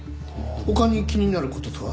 他に気になる事とは？